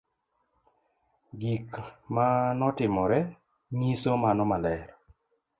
Gik ma notimore nyiso mano maler